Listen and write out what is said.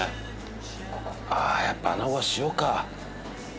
ああやっぱ穴子は塩か。